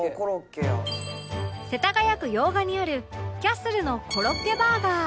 世田谷区用賀にあるキャッスルのコロッケバーガー